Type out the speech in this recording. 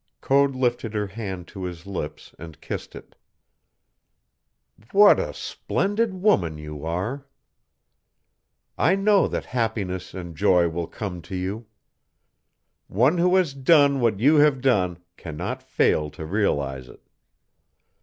Code lifted her hand to his lips and kissed it. "What a splendid woman you are! I know that happiness and joy will come to you. One who has done what you have done cannot fail to realize it.